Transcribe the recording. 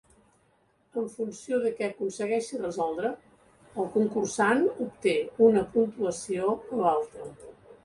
En funció de què aconsegueixi resoldre, el concursant obté una puntuació o altra.